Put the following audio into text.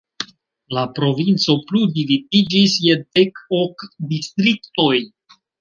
La provinco plu dividiĝis je dek ok distriktoj.